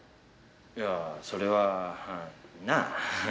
いやそれはなあ。